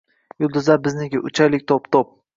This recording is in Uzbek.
Yulduzlar bizniki. Uchaylik to’p-to’p.